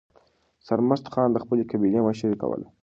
سرمست خان د خپلې قبیلې مشري کوله.